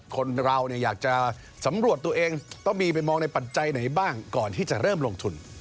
คนเราอยากจะสำรวจตัวเองต้องมีไปมองในปัจจัยไหนบ้างก่อนที่จะเริ่มลงทุน